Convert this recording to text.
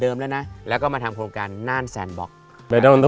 เดิมแล้วนะแล้วก็มาทำโครงการน่านแซนบล็อกแบบนั้นจะ